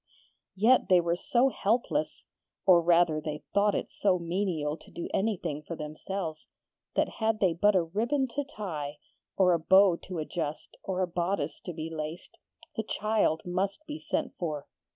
Yet they were so helpless, or rather they thought it so menial to do anything for themselves, that had they but a ribbon to tie, or a bow to adjust, or a bodice to be laced, the child must be sent for.